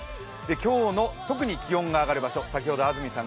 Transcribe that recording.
今日の特に気温が上がる場所です。